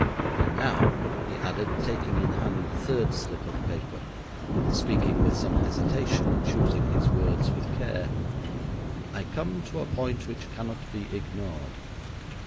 And now,' he added, taking in hand the third slip of paper, speaking with some hesitation, and choosing his words with care, 'I come to a point which cannot be ignored.